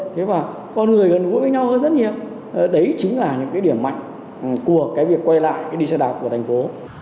thế và con người gần gũi với nhau hơn rất nhiều đấy chính là những cái điểm mạnh của cái việc quay lại đi xe đạp của thành phố